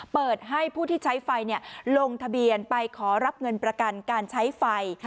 เปิดให้ผู้ที่ใช้ไฟลงทะเบียนไปขอรับเงินประกันการใช้ไฟ